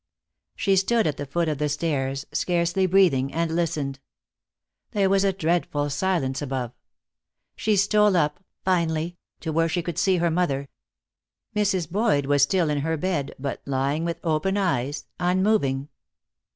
She stood at the foot of the stairs, scarcely breathing, and listened. There was a dreadful silence above. She stole up, finally, to where she could see her mother. Mrs. Boyd was still in her bed, but lying with open eyes, unmoving.